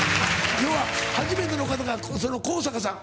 今日は初めての方が香坂さん。